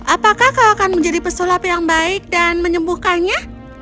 apakah kau akan menjadi pesulap yang baik dan menyembuhkannya